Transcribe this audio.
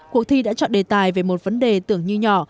cuộc thi đã chọn đề tài về một vấn đề tưởng như nhỏ